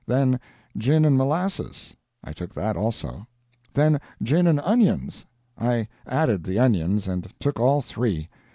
Then gin and molasses; I took that also. Then gin and onions; I added the onions, and took all three.